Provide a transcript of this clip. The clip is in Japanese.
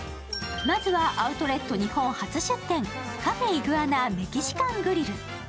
まずはアウトレット日本初出店、カフェイグアナメキシカングリル。